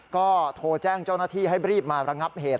ก็โทรแจ้งเจ้าหน้าที่ให้รีบมาระงับเหตุ